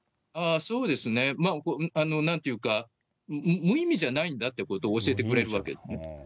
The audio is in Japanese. そうですね、なんていうか、無意味じゃないんだっていうことを教えてくれるわけですね。